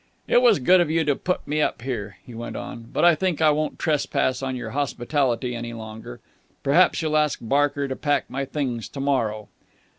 "It was good of you to put me up here," he went on, "but I think I won't trespass on your hospitality any longer. Perhaps you'll ask Barker to pack my things to morrow."